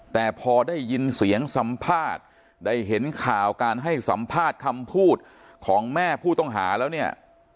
แต่พอได้ยินเสียงสัมภาษณ์ได้เห็นข่าวการให้สัมภาษณ์คำพูดของแม่ผู้ต้องหาแล้วเนี่ย